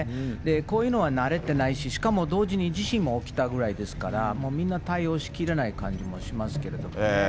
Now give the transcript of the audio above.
こういうのは慣れてないし、しかも同時に地震も起きたぐらいですから、もうみんな対応しきれない感じもしますけれどもね。